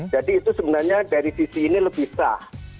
jadi itu sebenarnya dari sisi ini lebih sah